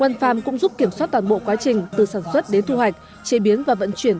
one farm cũng giúp kiểm soát toàn bộ quá trình từ sản xuất đến thu hoạch chế biến và vận chuyển